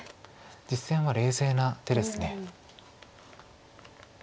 実戦は冷静な手です。